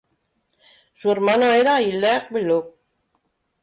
Su hermano era Hilaire Belloc.